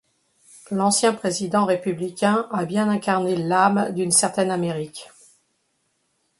L’ancien président républicain a bien incarné l’âme d’une certaine Amérique.